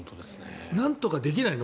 なんとかできないの？